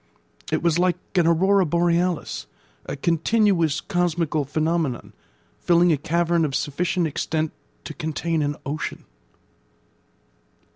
It was like an aurora borealis, a continuous cosmical phenomenon, filling a cavern of sufficient extent to contain an ocean.